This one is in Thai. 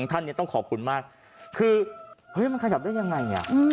ท่านเนี่ยต้องขอบคุณมากคือเฮ้ยมันขยับได้ยังไง